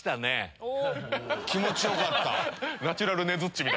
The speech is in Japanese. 気持ちよかった。